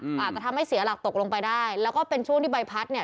อาจจะทำให้เสียหลักตกลงไปได้แล้วก็เป็นช่วงที่ใบพัดเนี่ย